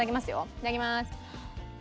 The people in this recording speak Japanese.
いただきます。